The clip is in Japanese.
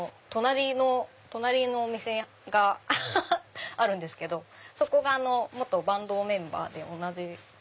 隣のお店があるんですけどそこが元バンドメンバーで同じで。